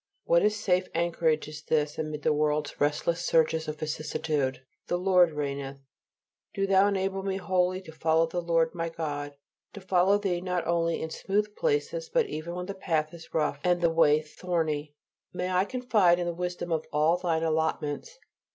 What a safe anchorage is this amid the world's restless surges of vicissitude, "The Lord reigneth!" Do Thou enable me wholly to follow the Lord my God; to follow Thee not only in smooth places, but even when the path is rough and the way thorny. May I confide in the wisdom of all Thine allotments.